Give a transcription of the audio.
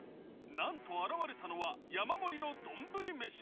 なんと現れたのは山盛りの丼飯。